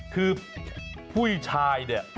คือผู้ชาย